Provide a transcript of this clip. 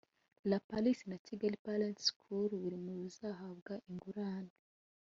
La Palisse na Kigali Parents School biri mu bizahabwa ingurane